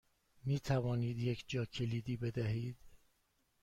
می توانید یک جاکلیدی بدهید؟